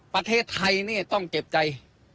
ประเทศไทยต้องเก็บใจ